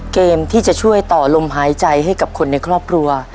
เกมที่จะช่วยต่อลมหายใจให้กับคนในครอบครัว